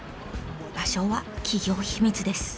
場所は企業秘密です。